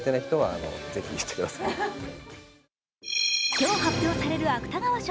今日発表される芥川賞。